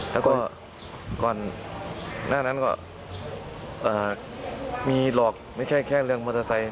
แล้วก็ก่อนหน้านั้นก็มีหรอกไม่ใช่แค่เรื่องมอเตอร์ไซค